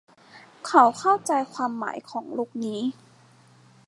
เขาเข้าใจความหมายของลุคนี้